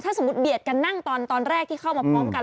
ซึ่งสมมติเหมือนเบียดการนั่งตอนแรกที่เข้ามาพร้อมกัน